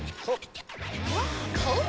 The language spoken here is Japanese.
顔。